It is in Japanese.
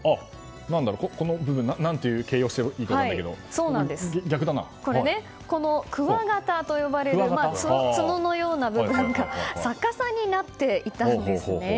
何て形容していいか分からないけどこの、くわがたと呼ばれる角のような部分が逆さになっていたんですね。